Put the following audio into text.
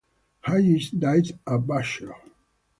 Hayes died a bachelor.